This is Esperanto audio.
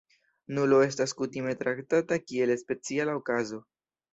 Nulo estas kutime traktata kiel speciala okazo.